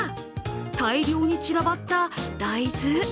大量に散らばった大豆？